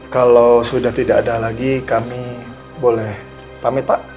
kalau sudah tidak ada lagi kami boleh pamit pak